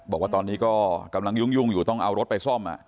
บอกว่าตอนนี้ก็กำลังยุ่งอยู่ต้องเอารถไปซ่อม